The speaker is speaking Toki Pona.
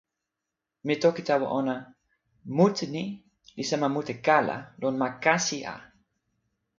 mi toki tawa ona: "mute ni li sama mute kala lon ma kasi a."